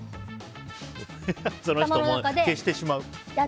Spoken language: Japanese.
その人を消してしまう？